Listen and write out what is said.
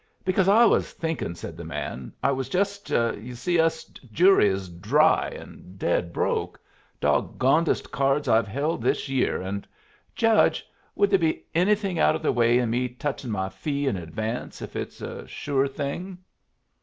"Because I was thinking," said the man "I was just You see, us jury is dry and dead broke. Doggonedest cards I've held this year, and Judge, would there be anything out of the way in me touching my fee in advance, if it's a sure thing?"